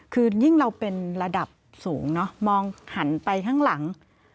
คือยิ่งเราเป็นระดับสูงเนอะมองหันไปข้างหลัง